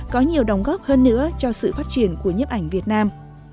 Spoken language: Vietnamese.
có nhiều đồng góp hơn nữa cho sự phát triển của nhếp ảnh việt nam